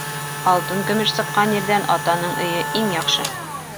Алтын-көмөш сыҡҡан ерҙән Атаның өйө иң яҡшы.